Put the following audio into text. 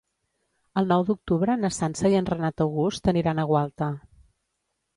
El nou d'octubre na Sança i en Renat August aniran a Gualta.